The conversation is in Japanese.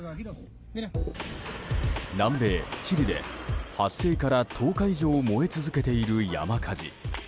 南米チリで発生から１０日以上燃え続けている山火事。